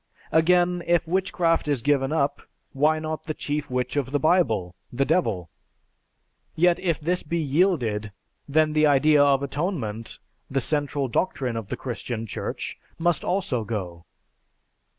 Again, if witchcraft is given up, why not the chief witch of the Bible, the Devil? Yet if this be yielded, then the idea of Atonement, the central doctrine of the Christian Church, must also go.